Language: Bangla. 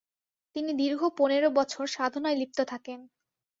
তিনি দীর্ঘ পনেরো বছর সাধনায় লিপ্ত থাকেন।